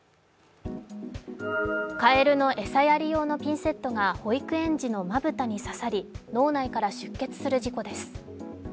かえるの餌やり用のピンセットが保育園児のまぶたに刺さり、脳内から出血する事故です。